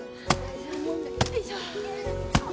よいしょ。